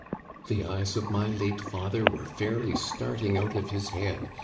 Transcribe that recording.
" The eyes of my late father were fairly starting out of his head.